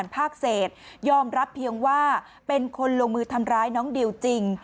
ภาคเศษยอมรับเพียงว่าเป็นคนลงมือทำร้ายน้องดิวจริง